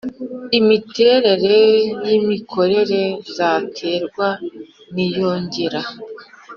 miterere y imikorere zaterwa n iyongera